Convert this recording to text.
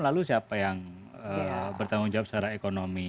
lalu siapa yang bertanggung jawab secara ekonomi